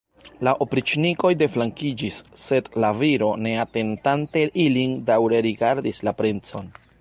La opriĉnikoj deflankiĝis, sed la viro, ne atentante ilin, daŭre rigardis la princon.